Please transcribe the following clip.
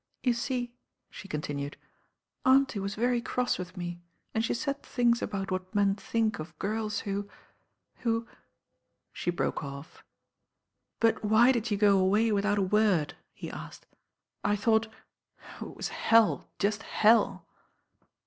"You sec," she continued, "auntie was very cross with me and she said things about what men think of girls who— who " she broke off. "But why did you go away without a word?" he asked. "I thought— oh I it was hell, just hell."